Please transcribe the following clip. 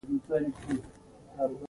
نوسازي په دویم اسلام پورې منحصروي.